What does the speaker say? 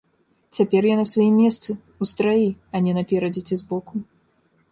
Цяпер я на сваім месцы, у страі, а не наперадзе ці збоку.